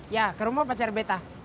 ya ke rumah pacar betah